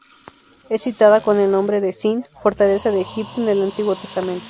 Es citada, con el nombre de "Sin", fortaleza de Egipto, en el Antiguo Testamento.